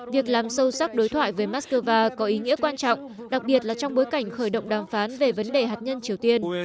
việc làm sâu sắc đối thoại với moscow có ý nghĩa quan trọng đặc biệt là trong bối cảnh khởi động đàm phán về vấn đề hạt nhân triều tiên